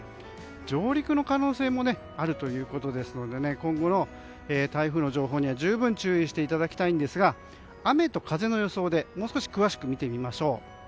上陸の可能性もあるということですので今後の台風の情報には十分注意していただきたいんですが雨と風の予想でもう少し詳しく見てみましょう。